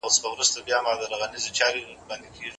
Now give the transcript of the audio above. زه الفبې زده کوم.